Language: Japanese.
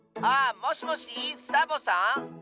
あっもしもしサボさん？